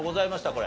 これ。